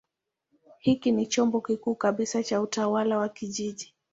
Hiki ni chombo kikuu kabisa cha utawala wa kijiji.